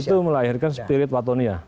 itu melahirkan spirit watonia